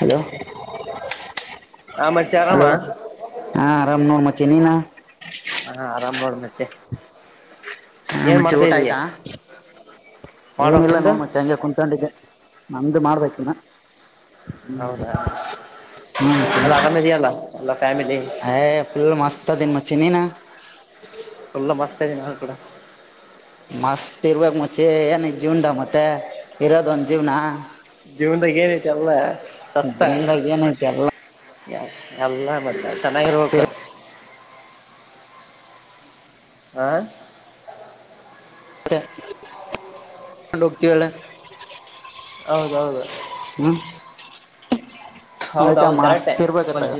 Hello ಆ ಮಚ್ಚೆ [inaudible] ಆರಾಮ ಹಲೋ ಹಾ ಆರಾಮ್ ನೋಡ್ ಮಚೆ ನೀನಾ ಹಾ ಆರಾಮ್ ನೋಡ್ ಮಚ್ಚೆ ಹಾ ಏನ್ ಮುಚ್ಚೆ ಮಾಡ್ತಾ ಊಟ ಇದೀಯ ಆಯ್ತಾ ಮಾಡ್ಬೇಕ್ ಏನಿಲ್ಲ ನಿಂದು ನೋಡ್ ಮುಚ್ಚೆ ಹಂಗೆ ಕುಂತ್ಕೊಂಡಿದ್ದೆ ನಂದು ಮಾಡ್ಬೇಕಿನ ಹೌದಾ ಎಲ್ಲ [unintelligible] ಆರಾಮ ಇದೆಯಲ್ಲ ಎಲ್ಲ ಫ್ಯಾಮಿಲಿ ಏ ಫುಲ್ ಮಸ್ತ್ ಅದಿನ್ [inaudible] [unintelligible] ಎಲ್ಲ ಮಸ್ತ ನ ಕೂಡ ಮಸ್ತ್ ಇರ್ಬೇಕಕ್ ಮುಚಿ ಏನ್ ಜೀವ್ನದ ಮತ್ತೆ ಇರೋದ ಒಂದ ಜೀವ್ನ ಜೀವದ ಏ ರಟ್ ಎಲ್ಲ ಸಸ್ತ ಜೀವನ್ದಾಗ ಏನೈತಿ ಎಲ್ಲ ಯ ಎಲ್ಲ ಮತ್ತ ಚೆನ್ನಾಗಿರ್ಬೇಕ ಆ [unintelligible] ಮತ್ತೆಂಡತಿಳ [unintelligible] ಹೌದೌದು ಆಯ್ತಾ ಹೌದೌದು ಕರೆಕ್ಟೆ ಮಸ್ತ್ ಇರ್ಬೇಕತ್ತಗ ಒಂದ್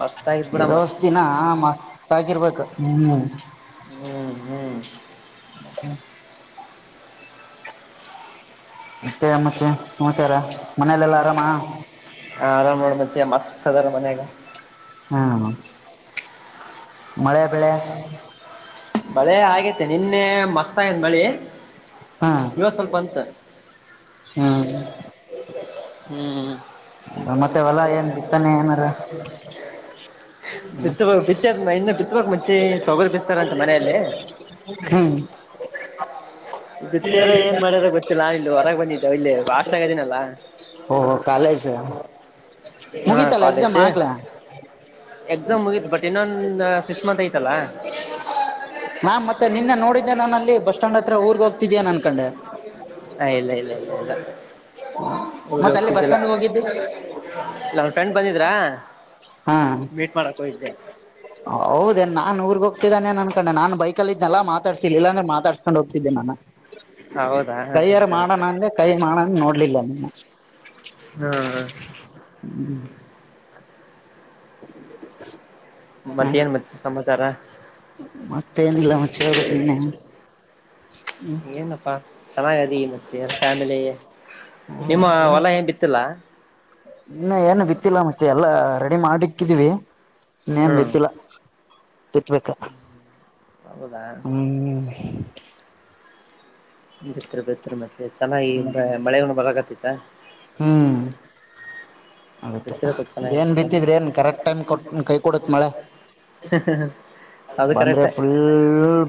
ಮಸ್ತ್ ಆಗಿದ್ ಬಿಡಮ್ಮ ಇರೋಷ್ಟ ದಿನ ಮಸ್ತ್ ಆಗಿರ್ಬೇಕು ಹ್ಮ್ ಹ್ಮ್ ಹ್ಮ್ ಹ್ಮ್ಮ ಮತ್ತೆ ಮಚ್ಚಾ ಏನ್ ಸಮಾಚಾರ ಮನೇಲೆಲ್ಲ ಆರಾಮ ಹಾ ಆರಾಮ [unintelligible] ಜಮ್ಮಸ್ ಅದರ ಮನೆಗ [unintelligible] [unintelligible] ಮಳೆ ಬೆಳೆ ಮಳೆ ಆಗೇತೆ ನಿನ್ನೆ ಮಸ್ತ್ ಆಗನ ಮಳಿ ಹ್ಮ್ ಇವ ಸ್ವಲ್ಪ ಬಂತು ಹ್ಮ್ ಹ್ಮ್ ಹ್ಮ ಮತ್ತೆ ಹೊಲ ಏನ್ ಬಿತ್ತಾನೆ ಏನಾರ ಬಿತ್ತ- ಬಿತ್ತದ ಇನ್ನು ಬಿತ್ತುವಕ್ ಮುಂಚೆ ತೊಗರ್ ಬಿತ್ತಾರಂತ ಮನೆಯಲ್ಲಿ [unintelligible] ಹಾ ಗತ್ತೇರ ಏನ್ ಮಾಡ್ಯಾರ ಗೊತ್ತಿಲ್ಲಾ ಇಲ್ಲಿ ಹೊರಗೆ ಬಂದಿದ್ದ ಇಲ್ಲಿ ಫಾಸ್ಟ್ ಆಗದೇನಲ್ಲಾ ಓಹೋ ಕಾಲೇಜ್ ಹಾ ಮುಗೀತಲ್ಲ ಎಕ್ಸಾಮ್ ಕಾಲೇಜ್ ಆಗ್ಲ ಎಕ್ಸಾಮ್ ಮುಗಿತ್ ಬಟ್ ಇನ್ನೊಂದ ಸಿಸ್ ಮಂತ್ ಐತಲ್ಲ ನಾ ಮತ್ತೆ ನಿನ್ನ ನೋಡಿದ್ದೆ ನಾನು ಅಲ್ಲಿ ಬಸ್ ಸ್ಟ್ಯಾಂಡ್ ಹತ್ರ ಊರ್ಗ್ ಹೋಗ್ತಿದ್ಯನ್ ಅನ್ಕೊಂಡೆ ಇಲ್ಲ- ಇಲ್ಲ -ಇಲ್ಲ- ಇಲ್ಲ [unintelligible] ಮತ್ತ ಜಲ- ಅಲ್ಲಿ ಬಸ್ ಜಲ್ಲ ಸ್ಟ್ಯಾಂಡ್ ಹೋಗಿದ್ದು ನಮ್ಮ ಫ್ರೆಂಡ್ ಬಂದಿದ್ರಾ ಹಾ ಮೀಟ್ ಮಾಡಕ್ ಹೋಗಿದ್ದೆ [unintelligible] ತಾನೆ ನ ಅನ್ಕಂಡ ನನ್ ಬೈಕಲಿ ಇದ್ನಲ ಮಾತಾಡ್ಸಿಲ್ ಇಲಂದ್ರೆ ಮಾತಾಡ್ [unintelligible] ಕೊಂಡು ಹೋಗ್ತಿದ್ದೆ ನಾನ ಹೌದಾ ಕೈಯಾರ ಕರೆಕ್ಟ್ ಮಾಡೋಣ ಅಂದೆ ಕೈ ಮಾಡೋಣ ನೋಡಿ [unintelligible] ಹ್ಮ ಹ ಹ ಮತ್ತೇನ್ ಮಚಿ ಸಮಾಚಾರ. ಮತ್ತೇನಿಲ್ಲ ಏನಿಲ್ಲ ಮಚ್ಚಿ ನೀನೇ ನೀನೆ ಹೇಳ್ಬೇಕು. ಏನಪ್ಪಾ ಚೆನ್ನಾಗದಿ ಮಚ್ಚಿ ಫ್ಯಾಮಿಲಿ ನಿಮ್ಮ [unintelligible] ಹೊಲ ಏನ್ ಬಿತ್ತಿಲ್ಲ ಇನ ಏನು ಬಿತ್ತಿಲ್ಲ ಮಚಿ ಎಲ್ಲಾ ರೆಡಿ ಮಾಡಿಕ್ಕಿದೀವಿ ಇನ್ನೇನ್ ಹ್ಮ್ ಬಿತ್ತಿಲ್ಲ ಬಿತ್ಬೇಕ ಹೌದಾ ಹ್ಮ್. ಬಿತ್ತರಿ ಬಿತ್ತರಿ ಮಚಿ ಅಲ್ಲ ಈ ಮಳೆನ ಬರಕತಿತ್ತ ಹ್ಮ್. ಅದಕ್ಕೆ ಬಿತ್ರೆ ಏನ್ ಸ್ವಲ್ಪಚೆನಾಗಿರ್ತಿತ ಬಿತ್ತಿದ್ರಿ ಏನ್ ಕರೆಕ್ಟ್ ಟೈಮ್ ಕೊಟ್ ಕೈ ಕೊಡುತ್ ಮಳೆ ಹ ಹ ಹ ಬಂದ್ರೆ ಫುಲ್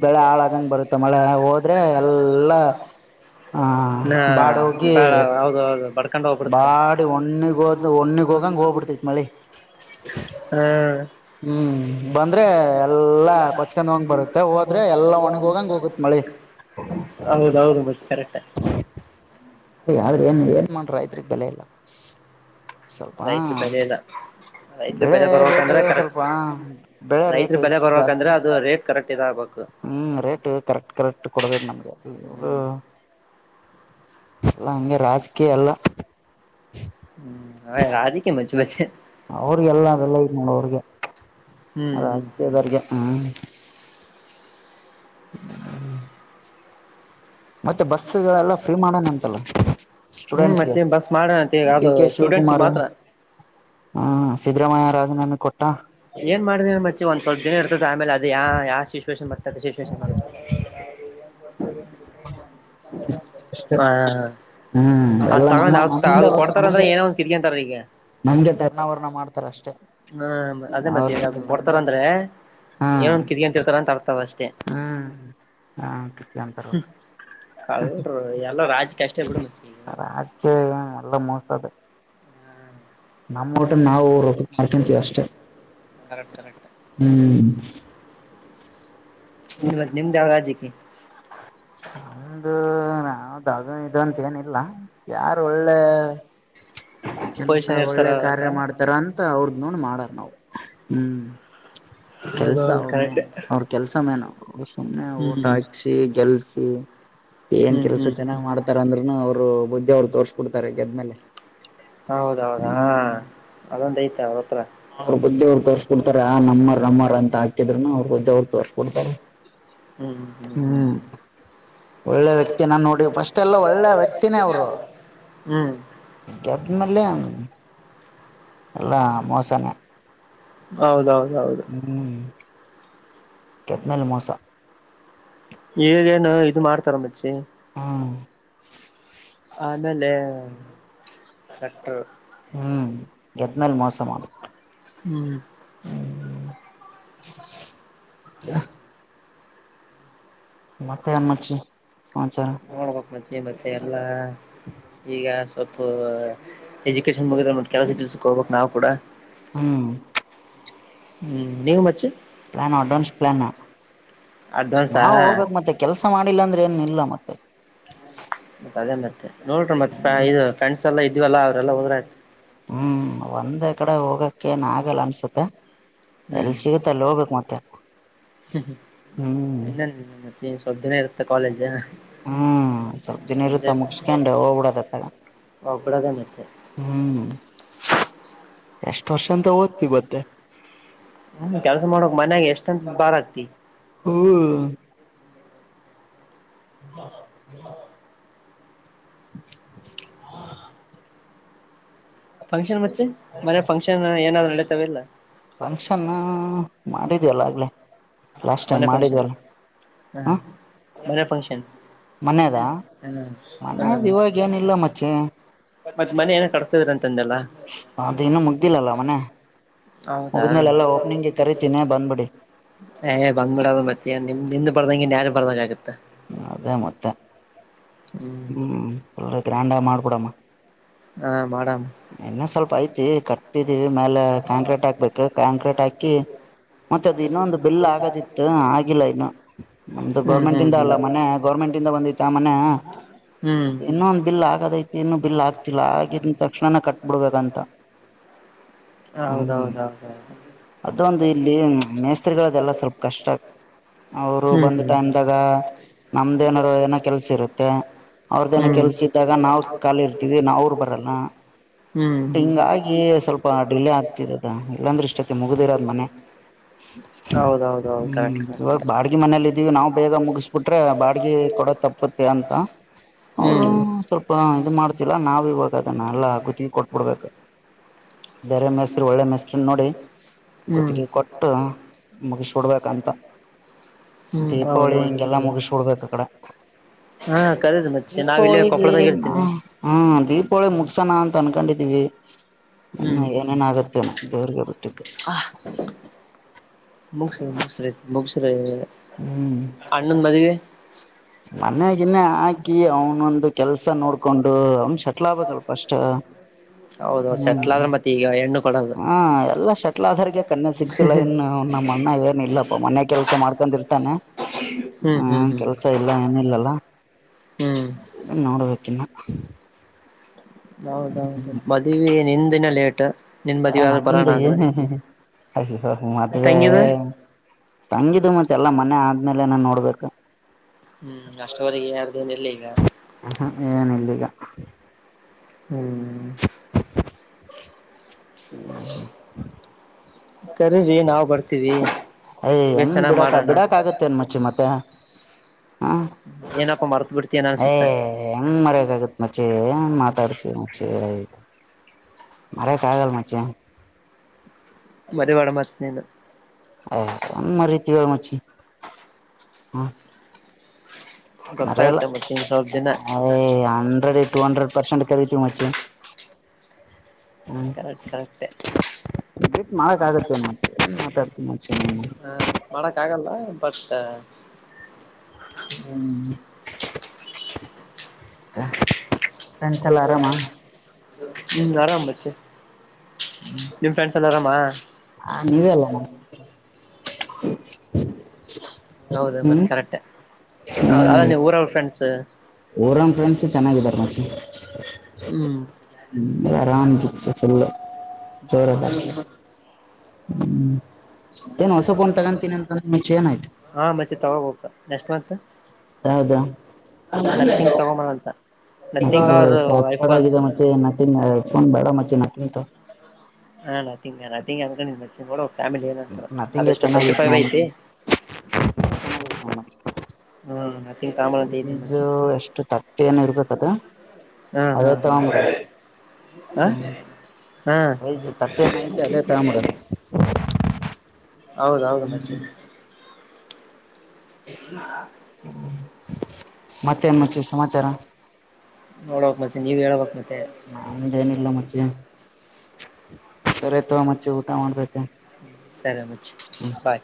ಬೆಳೆ ಹಾಳಾಗಂಗ್ ಬರತ್ತ ಮಳೆ ಹೋದ್ರೆ ಎಲ್ಲಾ ಹ ಹಾ ಬಾಡ ಹೋಗಿ ಬಳ ಹೌದು ಹೌದು ಬಡ ಬಾಡಿ ಒಣ್ಣಿಗ್ ಹೋದ್ ಒಣಿಗ್ ಹೋಗಂಗ ಹೋಗ್ಬಿಡ್ತೇತ್ ಮಳಿ ಹಾ ಹ್ಮ್ ಬಂದ್ರೆ ಎಲ್ಲಾ ಕೊಚ್ಕೊಂಡ ಹಂಗ ಬರುತ್ತ ಹೋದ್ರೆ ಎಲ್ಲಾ ಒಣಿಗ ಹೋಗಂಗ ಹೋಗತ್ ಮಳಿ ಹೌದೌದು ಮತ್ತ್ ಕರೆಕ್ಟ್ ಆದ್ರೆ ಏನ್ ಏನ್ ಮಾಡ್ರ ಆಯ್ರಿ ಬೆಲೆ ಎಲ್ಲ ಸ್ವಲ್ಪ ರೈತರ ಬೆಲೆ ಇಲ್ಲ ರೈತರ ಬೆಳೆ ಬೆಲೆ ರೇಟ್ ಬರ್ಬೇಕಂದ್ರೆ ಕರೆಕ್ಟ್ ಸ್ವಲ್ಪ ಬೆಳೆ ರೈತರ ರೇಟ್ ಬೆಲೆ ಬರ್ಬೇಕಂದ್ರೆ ಜಾಸ್ತಿ ಅದು ರೇಟ್ ಕರೆಕ್ಟ್ ಇದಾಗಬೇಕು ಹ್ಮ್ ರೇಟ್ ಕರೆಕ್ಟ್ ಕರೆಕ್ಟ್ ಕೊಡ್ಬೇಡಿ ನಮ್ಗೆ ಹ್ಮ್ ಎಲ್ಲ ಹಂಗೆ ರಾಜಕೀಯ ಎಲ್ಲ ಹ್ಮ ಹ ರಾಜಿ ಕೆ ಮಜು ಬಜ ಅವ್ರಿಗೆಲ್ಲ ಅದೆಲ್ಲ ಇದನ ಅವ್ರಿಗೆ ಹ್ಮ್ ಹ್ಮ್ ಹ್ಮ್ ರಾಜಕೀಯದವರ್ಗೆ ಹ್ಮ್ [inaudible] ಮತ್ತೆ ಬಸ್ಗಳೆಲ್ಲ ಫ್ರೀ ಮಾಡನಂತಲಾ ಹ್ಮ್ ಸ್ಟೂಡೆಂಟ್ಸ್ಗೆ ಮಚ್ಚಿ ಬಸ್ ಮಾಡೋಣಂತ ಈಗ ಡಿ ಅದು ಕೆ ಸ್ಟೂಡೆಂಟ್ಸ್ ಶಿವಕುಮಾರ್ ಮಾತ್ರ ಹ ಸಿದ್ದರಾಮಯ್ಯ. [unintelligible] ಏನ್ ಮಾಡಿದೇನ್ ಮಚ್ಚಿ ಒಂದ್ ಸ್ವಲ್ಪ ಇದ ಇರ್ತದ ಆಮೇಲೆ ಅದ ಯಾ ಯಾವ ಸಿಚುವೇಶನ್ ಬರ್ತದೆ ಸಿಚುವೇಶನ್ ಮಾಡ. ಅಷ್ಟೇ ಹ ಹ್ಮ್ ಅದ ಎಲ್ಲ ನಮ್ಮ ತಗೊಂಡ ಅ ನಮ್ಮಿಂದ ಅದು ಕೊಡ್ತಾರ ಅಂದ್ರ ಏನೋ ಒಂದ ಕಿತ್ಕೊಂತರ ಈಗೆ. ಹಂಗೆ ಟರ್ನಾವರ್ನ್ ಮಾಡ್ತಾರ. ಅಷ್ಟೇ ಹ್ಮ ಅದೇ ಮತ್ತೆ ಅವ್ರಗೇನಿಲ್ಲ ನಮ್ಗ ಕೊಡ್ತಾರ ಅಂದ್ರೆ ಹಾ ಏನೊಂದ ಕಿಕೆಂತಿರ್ತಾರೆ ಅಂತ ಅರ್ಥ ಅದ್ ಅಷ್ಟೇ ಹ್ಮ್ ಹಾ ಕಿತ್ಕಂತಾರ ಹ್ಮ್ ಕಳ್ರು ಎಲ್ಲ ರಾಜಕೀಯ ಅಷ್ಟೇ ಬಿಡ ಮಚ್ಚಿ. ರಾಜಕೀಯ ನಮ್ಮ ಊಟದ್ ನಾವು ರೊಟ್ಟಿ ಮಾಡ್ಕೊಂಡ್ತೀವಿ ಅಷ್ಟೆ. ಕರೆಕ್ಟ್ ಕರೆಕ್ಟ್ ಇವ್ತ್ ನಿಮ್ದ್ಯಾವ್ ರಾಜಿಕಿ? ನಮ್ದು ನಾವ್ದ ಅದು ಇದು ಅಂತ ಏನಿಲ್ಲ ಯಾರು ಒಳ್ಳೆ ಕೆಲ್ಸ ಪೊಸಿಷನ್ ಇರ್ತಾರ ಒಳ್ಳೆ ಕಾರ್ಯ ಮಾಡ್ತಾರ ಅಂತ ಅವ್ರದ ನೋಡ್ ಮಾಡ. ಹ್ಮ್ ಕೆಲ್ಸ ಹೌದೌದು ಅವ್ರ ಕರೆಕ್ಟ್ ಮೇನು ಅವ್ರ ಕೆಲ್ಸ ಮೇನು. ಹ ಒಬ್ನೇ ವೋಟ್ ಹ್ಮ್ ಹಾಕ್ಸಿ ಗೆಲ್ಸ್ ಹ್ಮ್ ಏನ್ ಹ್ಮ್ ಕೆಲ್ಸ ಹ್ಮ್ ಚೆನ್ನಾಗ್ ಮಾಡ್ತಾರ ಅಂದ್ರರುನು ಅವರು ಬುದ್ಧಿ ಅವರ್. ತೋರ್ಸಿ ಕೊಡ್ತಾರೆ ಗೆದ್ಮೇಲೆ. ಹೌದೌದಾ ಹ್ಮ್ ಅದೊಂದ ಐತೆ ಅವ್ರ ಹತ್ರ ಅವ್ರ್ ಬುದ್ದಿ ಅವ್ರ್ ತೋರ್ಸ್ಕೊಡ್ತಾರೆ ಆ ನಮ್ಮರ್ ನಮ್ಮರ್ ಅಂತ ಹಾಕ್. ಇದ್ರೂನು ಅವರ್ ಅವ್ರ ಬುದ್ದಿ ಅವ್ರು ತೋರ್ಸಿ ಕೊಡ್ತಾರೆ. ಹ್ಮ್ ಹ್ಮ್ ಹ್ಮ್ ಹ್ಮ್ ಹ್ಮ ಒಳ್ಳೆ ವ್ಯಕ್ತಿನ ನೋಡಿ ಫಸ್ಟ್ ಎಲ್ಲ ಒಳ್ಳೆ ವ್ಯಕ್ತಿನೇ ಅವರು. ಹ್ಮ್ ಗೆದ್ ಮಲ್ಲೆ. ಎಲ್ಲಾ ಮೋಸನೆ. ಹೌದೌದೌದು ಹ್ಮ್ ಗೆದ್ದ ಮೆಲೆ ಮೋಸ. ಈಗೇನು ಇದು ಮಾಡ್ತಾರ ಮಚ್ಚಿ. ಹ್ಮ ಆಮೇಲೆ ಕಟ್ರು ಹ್ಮ್ ಮೇಲ್ ಮೋಸ ಮಾಡ. ಹ್ಮ್ [unintelligible] ಮತ್ತೆ ಅಮ್ಮಚಿ ನೋಡ್ಬಕ್ ಮಚ್ಚಿ ಮತ್ತೆ ಎಲ್ಲಾ ಈಗ ಪ್ ಎಜುಕೇಶನ್ ಮುಗದ. ಕೆಲಸ ಗಿಲ್ಸಕ್ ಹೋಗ್ಬೇಕ್ ನಾವು ಕೂಡ. ಹ್ಮ್ ಹ್ಮ್ ನೀವು ಮಚ್ಚಿ? ಪ್ಲಾನ್ ಅಡ್ವಾನ್ಸ್ ಪ್ಲಾನ್ ಅಡ್ವಾನ್ಸಾ ನಾವ ಹೋಗ್ಬೇಕ್ ಮತ್ತೆ ಕೆಲ್ಸ ಮಾಡಿಲ್ಲ ಅಂದ್ರೆ ಏನ್ ಇಲ್ಲ ಮತ್ತೆ. ಅದೇ ಮತ್ತ್ ನೋಡ್ರಿ ಮತ್ತ ಪಃ ಇದ ಫ್ರೆಂಡ್ಸ್ ಎಲ್ಲ ಇದ್ವಲ್ಲ ಅವ್ರೆಲ್ಲ ಹೋದ್ರೆ ಆಯ್ತ್. ಹ್ಮ್ ಒಂದೇ ಕಡೆ ಹೋಗಕ್ಕ ಏನ್ ಆಗಲ್ಲ ಅನ್ಸತ್ತೆ. ಎಲ್ಲಿ ಹ್ಮ್ ಸಿಗುತ್ತ ಅಲ್ಲ ಹೋಗ್ಬೇಕು ಮತ್ತೆ. ಹ್ಮ್ ಇನ್ನೊಂದು ಸ್ವಲ್ಪ್ ದಿನಾ ಇರುತ್ತೆ ಕಾಲೇಜು. ಹ್ಮ್ ಸ್ವಲ್ಪ ದಿನ ಇರುತ್ತ ಮುಗಿಸಿಕೊಂಡು ಹೋಗ್ಬಿಡದು ಅತ್ತಾಗ ಹೋಗ್ಬಿಡೋದ ಮತ್ತೆ ಹ್ಮ್.. ಎಷ್ಟ್ ವರ್ಷ? ಅಂತ ಓದ್ತಿವಿ ಮತ್ತೆ ಹ್ಮ ಕೆಲ್ಸ ಮಾಡಕ್ ಮನ್ಯಾಗ ಎಷ್ಟಂತ ಬಾರ್ ಆಗ್ತಿ? ಹ್ಮ್ [unintelligible] ಹಾ ಫಂಕ್ಷನ್ ಮಚ್ಚಿ ಮನೆ ಫಂಕ್ಷನ್ ಏನಾದ್ರು ನಡೀತವ ಇಲ್ಲ? ಫಂಕ್ಷನ್ನ. ಮಾಡಿದೆ ಅಲ್ಲ ಆಗಲೇ. ಮನೆ ಫಂಕ್ಷನ್ ಹ ಮನೆ ಫಂಕ್ಷನ್ ಮನೆದಾ ಮನ್ಯಾಗ ಹ್ಮ್ ಇವಾಗ ಏನಿಲ್ಲ ಮಚ್ಚಿ ಮತ್ತ್ ಮನೆ ಏನೋ ಕಟ್ಟಸ್ತೀದೀರ್ ಅಂತ. ಅದು ಇನ್ನು ಮುಗ್ದಿಲ್ಲಲ್ಲ ಮನೆ. ಹೌದಾ ಮುಗಿದ್ಮೇಲೆ ಎಲ್ಲಾ ಓಪನಿಂಗ್ಗೆ ಕರಿತೀನಿ ಬಂದ್ಬಿಡಿ ಏ ಬನ್ಬಿಡೋದು ಮತ್ತೆ ಅ ನಿಮ್ ನಿಮ್ದ ಬರ್ದಂಗ ಇನ್ನ್ ಯಾರ್ದ ಬರ್ದಂಗಾಗಿತ್ತ್. ಹ್ಮ ಅದೇ ಮತ್ತೆ ಹ್ಮ್ ಫುಲ್ ಗ್ರ್ಯಾಂಡ್ ಆಗಿ ಮಾಡ್ ಬಿಡಮ. ಹಾ ಮಾಡಮ್ ಇನ್ನ ಸ್ವಲ್ಪ ಐತಿ ಕಟ್ಟಿದೀವಿ ಮೇಲೆ ಕಾಂಕ್ರೀಟ್ ಹಾಕ್ಬೇಕು ಕಾಂಕ್ರೀಟ್ ಹಾಕೀ ಹಾಕಿ ಮತ್ತೆ ಅದು ಇನ್ನೊಂದು ಬಿಲ್ ಆಗದಿತ್ತು ಆಗಿಲ್ಲ ಇನ್ನು ನಮ್ದು ಹ್ಮ್ ಗೌರ್ಮೆಂಟ್ ಹ್ಮ್ ಇಂದ ಅಲ್ಲ ಮನೆ ಗೌರ್ಮೆಂಟ್ ಇಂದ ಬಂದತ್ತ ಆ ಮನೆ ಹ್ಮ್ ಹ್ಮ್ ಇನ್ನೊ ಒಂದು ಬಿಲ್ ಆಗದೈತಿ ಇನ್ನುೂ ಬಿಲ್ ಆಗ್ತಿಲ್ಲ ಆಗಿದ ತಕ್ಷಣನ ಕಟ್ಬಿಡ್ಬೇಕಂತ ಹ್ಮ ಹೌದೌದೌದೌದು ಅದೊಂದು ಇಲ್ಲಿ ಈ ಮೇಸ್ತ್ರಿಗಳದೆಲ್ಲ ಸ್ವಲ್ಪ ಕಷ್ಟ ಅವರು ಬಂದ ಹ್ಮ್ ಟೈಮದಾಗ ನಮ್ದ ಏನರು ಏನೋ ಕೆಲ್ಸ ಇರುತ್ತೆ ಹ್ಮ್ ಅವ್ರದ ಹ್ಮ್ ಏನೋ ಕೆಲ್ಸ ಇದ್ದಾಗ ನಾವು ಖಾಲಿ ಇರ್ತವಿ ಅವರು ಬರಲ್ಲ. ಬಟ್ ಹ್ಮ್ ಹಿಂಗಾಗಿ ಸ್ವಲ್ಪ ಡಿಲೇ ಆಗ್ತಿರೋದು ಇಲ್ಲಾಂದ್ರೆ ಇಷ್ಟಕ್ಕೆ ಮುಗ್ದಿರೋದು ಮನೆ. ಹೌದೌದೌದು ಹ್ಮ್ ಕರೆಕ್ಟ್ ಇವಾಗ ಕರೆಕ್ಟ್ ಬಾಡಗೆ ಮನೇಲಿ ಇದೀವಿ ನಾವು ಬೇಗ ಮುಗಿಸ್ಬಿಟ್ರೆ ಬಾಡಿಗೆ ಕೊಡೋ ತಪ್ಪತ್ತೆ ಅಂತ ಅವರು ಹ್ಮ್ ಸ್ವಲ್ಪ, ಹ್ಮ್ ಇದು ಮಾಡ್ತಿಲ್ಲ ನಾವ ಇವಾಗ ಅದನ್ನ ಅ ಗುತ್ತಿಗೆ ಕೊಟ್ಟು ಬಿಡ್ಬೇಕು ಬೇರೆ ಮೇಸ್ತ್ರು ಒಳ್ಳೆ ಮೇಸ್ತ್ರಿ ನೋಡಿ ಹ್ಮ್ ಗುತ್ತಿಗೆ ಕೊಟ್ಟು ಮುಗಿಷ್ ಬಿಡ್ಬೇಕು ಅಂತ ಹ್ಮ್ ದೀಪಾವಳಿ ಹೌದೌದು ಹಿಂಗೆಲ್ಲಾ ಮುಗಿಷ್ ಬಿಡ್ಬೇಕ್ ಅ ಕಡೆ ಹಾ ಕರೀರಿ ಮಚ್ಚಿ ನಾವ್ ಇಲ್ಲೇ ದೀಪಾವಳಿಗೆ ಕೊಪ್ಪಳದಾಗ ಇರ್ತೀನಿ ಹಾ ದೀಪಾವಳಿ ಮುಗಿಸಿಕೊಂಡ್ ಅಂತ ಅನ್ಕಂಡಿದ್ವಿ. ಎ [unintelligible] ಇನ್ನ ಹ್ಮ್ ಏನೇನ್ ಆಗತ್ತೇನೆ ದೇವ್ರಿಗೆ ಬಿಟ್ [inaudible] ಮುಗ್ಸ ಮುಗ್ಸ ಮುಗ್ಸರಿ ಹ್ಮ್ ಲಗ್ನ ಗಿಗ್ನಾ ಆಗ್ ಕೀ ಆವ್ನು ನಂದೆ ಫಸ್ಟ್ [unintelligible] ಹೌದ ಸೆಟ್ಲ್ ಹ್ಮ್ ಆದ್ರೆ ಮತ್ತೆ ಈಗ ಹೆಣ್ಣು ಕೊಡೋದು ಹಾ ಎಲ್ಲಾ ಶಟ್ಲ್ ಆಧಾರ್ಗೆ ಕಣ್ಣೆ ಸಿಗ್ತಿಲ್ಲ ಇನ್ನು ನಮ್ಮ ಅಣ್ಣ ಏಲ್ ಇಲ್ಲಪ್ಪ ಮನೆ ಕೆಲ್ಸ ಮಾಡ್ಕಿರ್ತಾನೆ ಹ್ಮ್ ಕೆಲ್ಸ ಇಲ್ಲ ಏನ ಇಲ್ಲಲ್ಲ ಹ್ಮ್ ನೋಡ್ಬೇಕ್ ಕೀನ್ನ ಹೌದೌದು ಮದುವೆ ನಿಂದಿನ ಲೇಟ್ ಟಾ ಏ ನಮ್ದ ಏನ್ ಅಯ್ಯ ಮದ್ವೆ ತಂಗಿದ ತಂಗಿದು ಮತ್ತೆ ಎಲ್ಲಾ ಮನೆ ಆದ್ಮೇಲೆ ನಾನ್ ನೋಡ್ಬೇಕು ಹ್ಮ್ ಅಷ್ಟವರೆಗೆ ಯಾರ್ದೇನ ಇಲ್ಲ ಈಗ [inaudible] ಏನ್ ಇಲ್ಲಿಗ ಹ್ಮ್ ಕರಿರಿ ನಾವು ಬರ್ತೀವಿ ಯ ಬೇಸ್ ಹೆಂಗ್ ಚೆನ್ನಾಗ್ ಬಿಡಕ ಮಾಡೋಣ ಬಿಡಾಕ್ ಆಗತ್ತೇನ್ ಮಚಿ ಮತ್ತೆ ಹ ಏನಪ್ಪಾ ಮರ್ತ್ ಬಿಡ್ತೀನ ಯ ಅನ್ಸುತ್ತೆ ಹೆಂಗ್ ಮರ್ಯಕ್ ಆಗತ್ ಮಚಿ ಹೆಂಗ ಮಾತಾಡ್ತಿವಿ ಮಚಿ ಮರಿಯಾಕ್ ಆಗಲ್ಲ ಮಚ್ಚಿ ಮರಿಬೇಡ ಮತ್ ನೀನು ಏ ಎಂಗ್ ಮರಿತಿವ್ ಹೇಳ್ ಮಚ್ಚಿ ಹ್ಮ್ ಮರೆಯಲ್ಲ ಗೊತ್ತಾಗತ್ತೆ ಮತ್ತ ಇನ್ ಸ್ವಲ್ಪ ದಿನ ಹಂಡ್ರೆಡ್ಕ ಟು ಹಂಡ್ರೆಡ್ ಪರ್ಸೆಂಟ್ ಕರೀತಿವಿ ಮಚ್ಚಿ ಹ್ಮ್ ಕರೆಕ್ಟ್ ಕರೆಕ್ಟೇ ಬಿಟ್ ಮಾಡಕ್ [unintelligible] ಆಗತ್ತೇನ್ ಮಚ್ಚಿ ಏನ್ ಮಾತಾಡ್ತಿ ಮಚ್ಚಿ ನೀನು ಹ ಮಾಡಕ್ ಆಗಲ್ಲ ಫಸ್ಟ [inaudible] ಹ ಹು ಆರಾಮ್ ಮಚ್ಚಿ. ಹಾ ನೀವೇ ಅಲ್ವಾ ಹ್ಮ ಹೌದು ಮತ್ ಕರೆಕ್ಟ್. ಅಲ್ಲ ನೀ ಊರವ್ರ ಫ್ರೆಂಡ್ಸ್? ಓರನ್ ಫ್ರೆಂಡ್ಸ್ ಚೆನ್ನಾಗಿದ್ದಾರ ಮಚ್ಚಿ. ಹ್ಮ್ ರಾಮ್ [unintelligible] ಫುಲ್ಲು ಜೋರದಾ ಹ್ಮ್ ಏನ್ ಹೊಸ ಫೋನ್ ತಗೊಂತೀನಿ ಅಂತ ಮುಂಚೆ ಏನಾಯ್ತು ಹಾ ಮಚೆ ತಗೋಬೇಕು ನೆಕ್ಸ್ಟ್ ಮಂತ್ ಯಾವ್ದ ಅದ ಹಂಗೆ ನಥಿಂಗ್ ತಗೊಂಬರ ಅಂತ ಮಚ್ಚಾ ನಥಿಂಗ್ ಇದು ಅವರ್ ಐಫೋನ್ ಸಕ್ಕತ್ತಾಗಿ ಇದೆ ಮಚ್ಚಾ ಏನ್ ನಥಿಂಗ್ ಐಫೋನ್ ಬೆಡ್ ಮಚ್ ಜನ ತಿಂತ ಹಾ ನತ್ತೀಂಗ ನತ್ತಿಂಗ್ ಅಂದ್ರೆ [unintelligible] ಫ್ಯಾಮಿಲೀ ಏನ್ ಅಂತಾರೋ ನಥಿಂಗೆ ಅದಷ್ಟು ಟ್ವೆಂಟಿ ಚೆನ್ನಾಗಿತ್ತು ಫೈವ್ ನಾವು ಆಯ್ತೀ. ಮಚ್ಚಿ ಹ್ಮ್ ನಥಿಂಗ್ ತಗೊಂಬರ ಅಂತ ಇದ್ದೀನಿ ಪ್ರೈಜು ಮಚ್ಚಿ ಎಷ್ಟು ತಟ್ಟಿ ಏನೋ ಇರ್ಬೇಕು. ಕಥ ಹಾ ಹಾ ಹಾ ಹ್ಮ್ ಆ ಪ್ರೈಸ್ ತರ್ಟಿ ಹಾ ಏನೋ ಐತೆ ಅದೇ ತಗೊಂಬಿಡು ಹೌದೌದು ಮಸ ಹ್ಮ್ ಮತ್ತೇನ್ ಮಚ್ಚಿ ಸಮಾಚಾರ ನೋಡ್ಬೇಕ್ ಮಚ್ಚಿ ನೀವ್ ಹೇಳ್ಬೇಕ್ ಮತ್ತೆ. [inaudible] ಸರೆ ತೋ ಮಚ್ಚಿ ಊಟ ಮಾಡ್ಬೇಕು ಸರಿ ಮಚ್ ಬಾಯ್